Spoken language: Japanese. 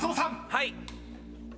はい。